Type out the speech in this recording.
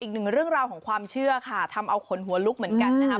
อีกหนึ่งเรื่องราวของความเชื่อค่ะทำเอาขนหัวลุกเหมือนกันนะครับ